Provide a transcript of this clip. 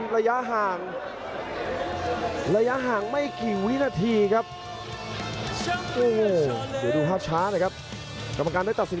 เรามีต้องการตัดสิน